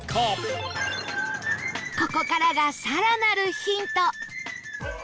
ここからが、更なるヒント